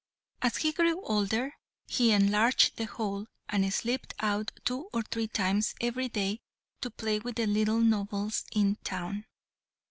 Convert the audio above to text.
As he grew older he enlarged the hole, and slipped out two or three times every day to play with the little nobles in the town.